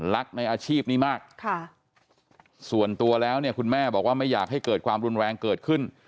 ในอาชีพนี้มากค่ะส่วนตัวแล้วเนี่ยคุณแม่บอกว่าไม่อยากให้เกิดความรุนแรงเกิดขึ้น